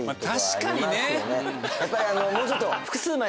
確かに。